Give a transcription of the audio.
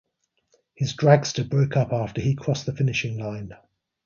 His dragster broke up after he crossed the finish line.